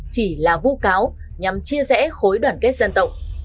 chỉ là vô cáo nhằm chia sẻ khối đoàn kết xác